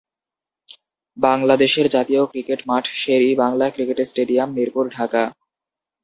বাংলাদেশের জাতীয় ক্রিকেট মাঠ শের-ই-বাংলা ক্রিকেট স্টেডিয়াম, মিরপুর, ঢাকা।